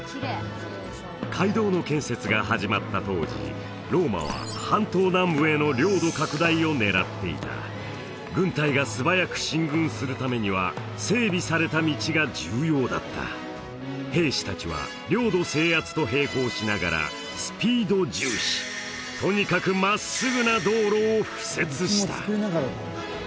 街道の建設が始まった当時ローマは半島南部への領土拡大を狙っていた軍隊が素早く進軍するためには整備された道が重要だった兵士達は領土制圧と並行しながらスピード重視とにかく真っすぐな道路を敷設した